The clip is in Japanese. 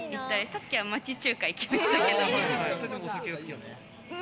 さっきは街中華行きましたけど。